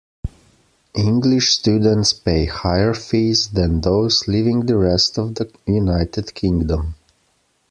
English students pay higher fees than those living the rest of the United Kingdom.